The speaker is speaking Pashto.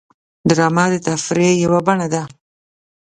ډرامه د تفریح یوه بڼه ده